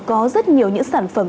có rất nhiều những sản phẩm